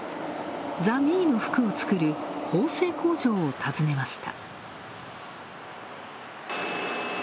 ＴＨＥＭＥの服を作る縫製工場を訪ねました。